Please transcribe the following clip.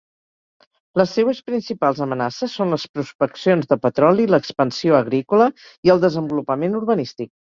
Les seues principals amenaces són les prospeccions de petroli, l'expansió agrícola i el desenvolupament urbanístic.